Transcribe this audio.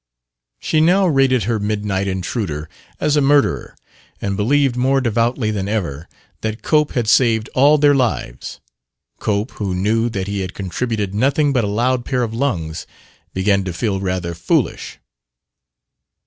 She now rated her midnight intruder as a murderer, and believed more devoutly than ever that Cope had saved all their lives. Cope, who knew that he had contributed nothing but a loud pair of lungs, began to feel rather foolish.